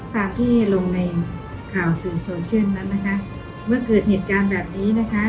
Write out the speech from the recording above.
ตามที่ลงในข่าวสื่อโซเชียลนั้นนะคะเมื่อเกิดเหตุการณ์แบบนี้นะคะ